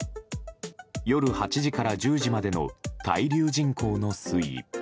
夜８時から１０時までの滞留人口の推移。